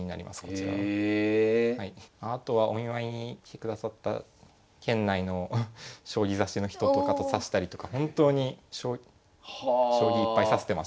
あとはお見舞いに来てくださった県内の将棋指しの人とかと指したりとか本当に将棋いっぱい指してましたね。